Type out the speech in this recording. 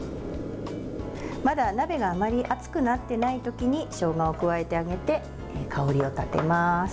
まだ、鍋があまり熱くなっていないときにしょうがを加えてあげて香りを立てます。